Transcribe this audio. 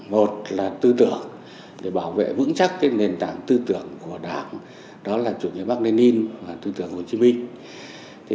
một là tư tưởng để bảo vệ vững chắc nền tảng tư tưởng của đảng đó là chủ nghĩa bắc mên và tư tưởng hồ chí minh